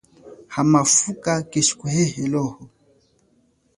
Hamafuka keshikuhehelaho.